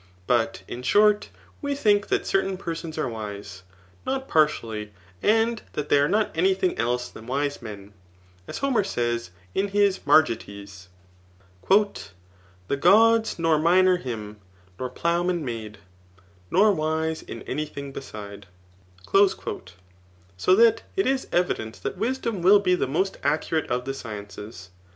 But, in short, we think that certain persons are wise, not partially, and that they are not any thing else than wise men, as Homa: says in bis Margites, The gods nor miner him, nor ploughman made ; Nor wise in any thing beside j so that it is evident that wisdom will be the most accurate of the sciences.